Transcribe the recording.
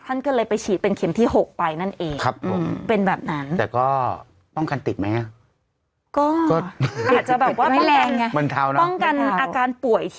ท่านก็เลยไปฉีดเป็นเข็มที่๐๖ไปนั่นเองเป็นแบบนั้นครับผม